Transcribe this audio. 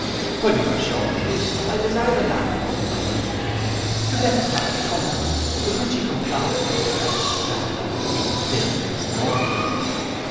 When we were shewn a room, I desired the landlord, in my usual way, to let us have his company, with which he complied, as what he drank would encrease the bill next morning.